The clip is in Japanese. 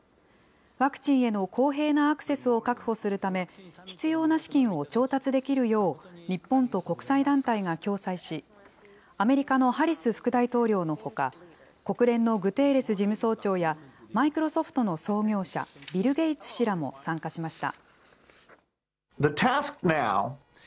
ワクチンへの公平なアクセスを確保するため、必要な資金を調達できるよう日本と国際団体が共催し、アメリカのハリス副大統領のほか、国連のグテーレス事務総長や、マイクロソフトの創業者、ビル・ゲイツ氏らも参加しました。